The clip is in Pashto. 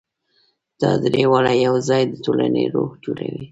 دا درې واړه یو ځای د ټولنې روح جوړوي.